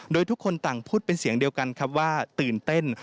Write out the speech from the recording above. โดยทุกคนต่างพูดเป็นเสียงเดียวกันครับว่าตื่นเต้น